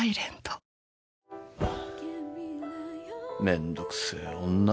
めんどくせえ女。